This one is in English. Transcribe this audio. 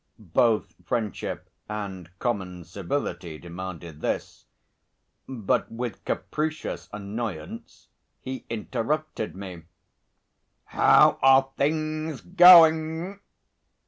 Both friendship and common civility demanded this. But with capricious annoyance he interrupted me. "How are things going?"